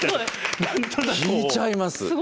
聞いちゃいますよ。